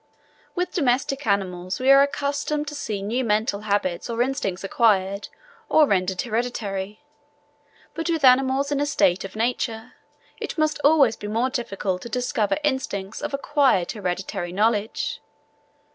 With domesticated animals we are accustomed to see new mental habits or instincts acquired or rendered hereditary; but with animals in a state of nature, it must always be most difficult to discover instances of acquired hereditary knowledge.